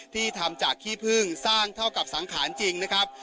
ที่ทำจากขี้พึ่งสร้างเท่ากับสังขารจริงนะครับ